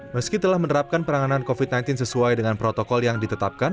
meski telah menerapkan peranganan covid sembilan belas sesuai dengan protokol yang ditetapkan